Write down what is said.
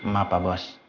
maaf pak bos